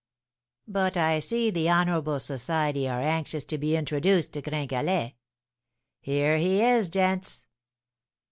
But I see the honourable society are anxious to be introduced to Gringalet! Here he is, gents!"